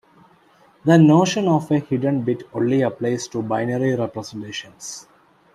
The notion of a hidden bit only applies to binary representations.